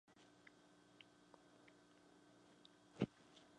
Los Coen decidieron hacer "Fargo" mientras tanto.